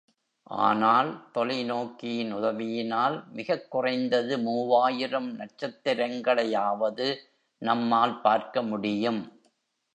ஆனால், தொலை நோக்கியின் உதவியினால், மிகக் குறைந்தது மூவாயிரம் நட்சத்திரங்களையாவது நம்மால் பார்க்க முடியும்.